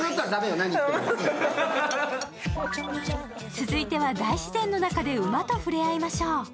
続いては、大自然の中で馬と触れ合いましょう。